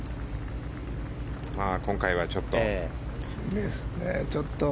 今回はちょっと。